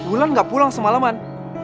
ulan gak pulang semaleman